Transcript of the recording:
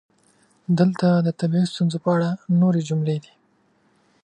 دلته د طبیعي ستونزو په اړه نورې جملې دي: